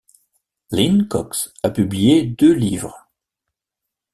Lynne Cox a publié deux livres.